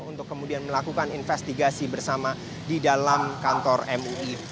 untuk kemudian melakukan investigasi bersama di dalam kantor mui